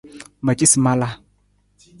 Ma ci sa ma la.